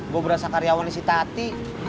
gue berasa karyawan isi hati